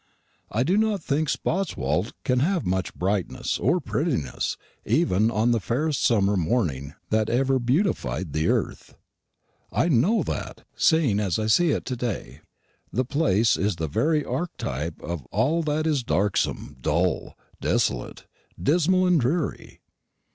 I do not think Spotswold can have much brightness or prettiness even on the fairest summer morning that ever beautified the earth. I know that, seen as I see it to day, the place is the very archetype of all that is darksome, dull, desolate, dismal, and dreary.